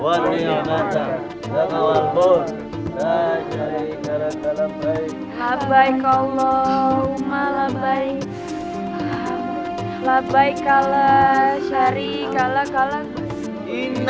waalaikumsalam warahmatullahi wabarakatuh